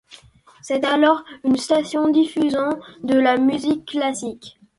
C'est alors une station diffusant de la musique classique.